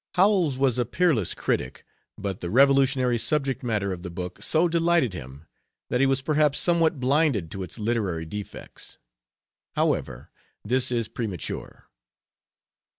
Howells was a peerless critic, but the revolutionary subject matter of the book so delighted him that he was perhaps somewhat blinded to its literary defects. However, this is premature.